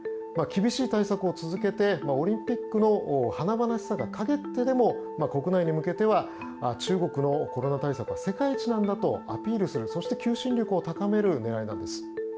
厳しい対策を続けてオリンピックの華々しさがかげってでも国内に向けては中国のコロナ対策は世界一なんだとアピールするそして求心力を高める狙いなんです。